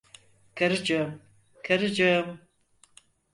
Karıcığım, karıcığım!